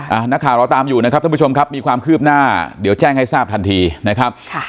นักข่าวเราตามอยู่นะครับท่านผู้ชมครับมีความคืบหน้าเดี๋ยวแจ้งให้ทราบทันทีนะครับค่ะ